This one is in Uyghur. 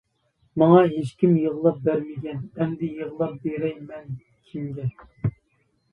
ماڭا ھېچكىم يىغلاپ بەرمىگەن، ئەمدى يىغلاپ بېرەي مەن كىمگە.